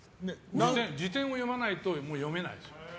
辞典を読まないと読めないんですよ。